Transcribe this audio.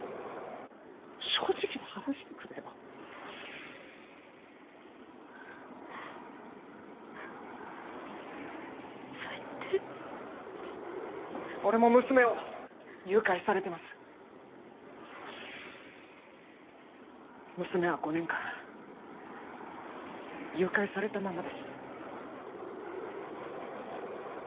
正直に話してくれよ最低俺も娘を誘拐されてます娘は５年間誘拐されたままです